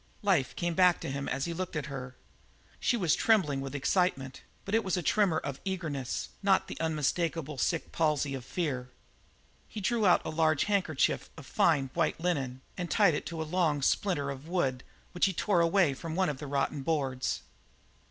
Life came back to him as he looked at her. She was trembling with excitement, but it was the tremor of eagerness, not the unmistakable sick palsy of fear. He drew out a large handkerchief of fine, white linen and tied it to a long splinter of wood which he tore away from one of the rotten boards.